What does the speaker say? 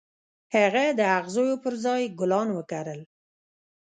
هغه د اغزيو پر ځای ګلان وکرل.